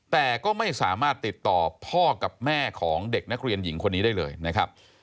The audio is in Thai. แต่ก็ไม่สามารถติดต่อพ่อกับแม่ของเด็กนักเรียนหญิงคนนี้ได้เลยนะครับ